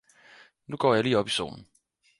Nu går jeg lige op i solen